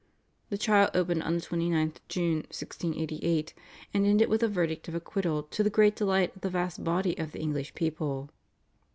The trial opened on the 29th June 1688, and ended with a verdict of acquittal to the great delight of the vast body of the English people.